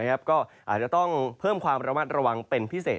ก็อาจจะต้องเพิ่มความระมัดระวังเป็นพิเศษ